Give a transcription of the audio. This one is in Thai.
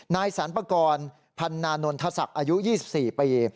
นายสรรปกรณ์พันนานนทศักดิ์อายุ๒๔ปี